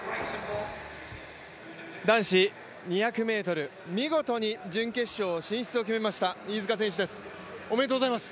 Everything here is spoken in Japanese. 男子２００ｍ、見事に準決勝進出を決めました飯塚選手ですおめでとうございます。